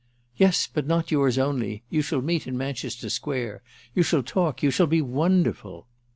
"Yes, but not yours only. You shall meet in Manchester Square; you shall talk—you shall be wonderful!"